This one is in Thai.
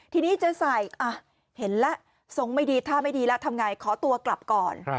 ทีนี้เจ๊ใส่เห็นแล้วทรงไม่ดีท่าไม่ดีแล้วทำไงขอตัวกลับก่อน